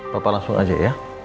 papa langsung aja ya